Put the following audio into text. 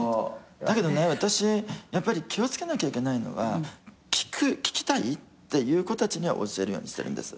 だけどね私やっぱり気を付けなきゃいけないのは聞きたいっていう子たちには教えるようにしてるんです。